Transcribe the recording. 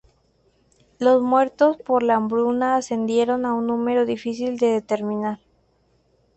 Los muertos por la hambruna ascendieron a un número difícil de determinar.